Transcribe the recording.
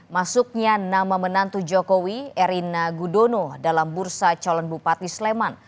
masuknya nama menantu jokowi erina gudono dalam bursa calon bupati sleman